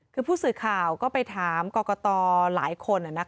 คือผู้สื่อข่าวก็ไปถามกรกตหลายคน